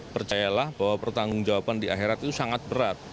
percayalah bahwa pertanggung jawaban di akhirat itu sangat berat